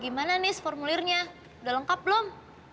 gimana nih formulirnya udah lengkap belum